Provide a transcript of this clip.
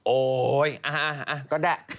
โอ๊ยก็ได้